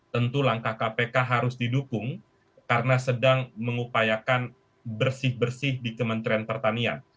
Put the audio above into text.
tentu langkah kpk harus didukung karena sedang mengupayakan bersih bersih di kementerian pertanian